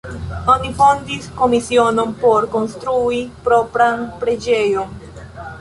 Oni fondis komisionon por konstrui propran preĝejon.